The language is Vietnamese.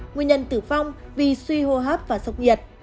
nguyên nhân tử vong vì suy hô hấp và sốc nhiệt